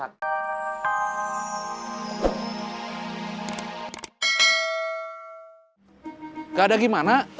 gak ada gimana